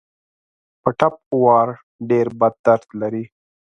په ټپ وار ډېر بد درد لري.